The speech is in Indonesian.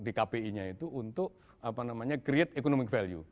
di kpi nya itu untuk create economic value